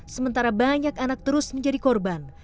sementara banyak anak terus menjadi korban